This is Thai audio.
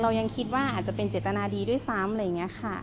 ยังคิดว่าอาจจะเป็นเจตนาดีด้วยซ้ำอะไรอย่างนี้ค่ะ